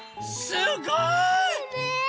すごい！ねえ！